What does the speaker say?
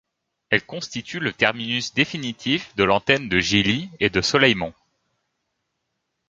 Elle constitue le terminus définitif de l'antenne de Gilly et de Soleilmont.